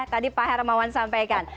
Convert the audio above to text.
tadi pak hermawan sampaikan